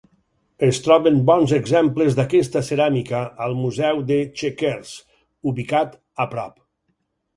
Es troben bons exemples d'aquesta ceràmica al Museu de Chequers, ubicat a prop.